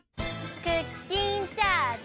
クッキンチャージ！